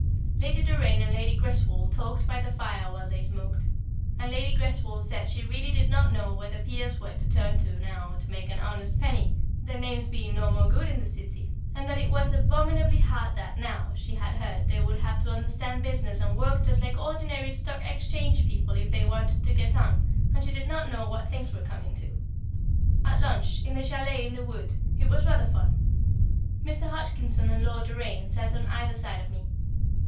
Lady Doraine and Lady Greswold talked by the fire while they smoked, and Lady Greswold said she really did not know where the peers were to turn to now to make an honest penny, their names being no more good in the City, and that it was abominably hard that now, she had heard, they would have to understand business and work just like ordinary Stock Exchange people if they wanted to get on, and she did not know what things were coming to. At lunch, in the châlet in the wood, it was rather fun. Mr. Hodgkinson and Lord Doraine sat on either side of me.